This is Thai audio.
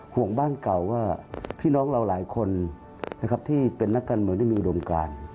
ห่วงบ้านเก่าว่าพี่น้องเราหลายคนนะครับที่เป็นนักการเมืองที่มีอุดมการ